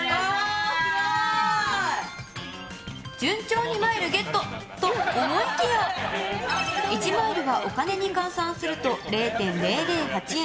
順調にマイルゲットと思いきや１マイルはお金に換算すると０．００８円。